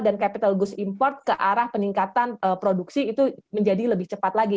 dan kapital goods import ke arah peningkatan produksi itu menjadi lebih cepat lagi